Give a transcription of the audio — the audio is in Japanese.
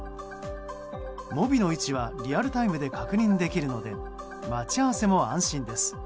ｍｏｂｉの位置はリアルタイムで確認できるので待ち合わせも安心です。